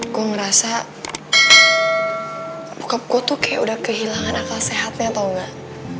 gue ngerasa bokap gue tuh kayak udah kehilangan akal sehatnya tau gak